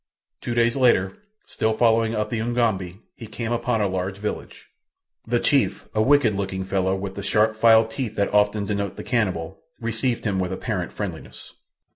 Two days later, still following up the Ugambi, he came upon a large village. The chief, a wicked looking fellow with the sharp filed teeth that often denote the cannibal, received him with apparent friendliness.